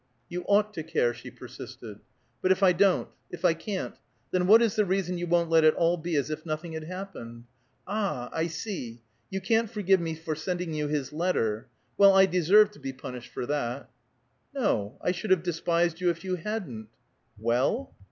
"You ought to care," she persisted. "But if I don't? If I can't? Then what is the reason you won't let it all be as if nothing had happened? Ah, I see! You can't forgive me for sending you his letter! Well, I deserve to be punished for that!" "No; I should have despised you if you hadn't " "Well?"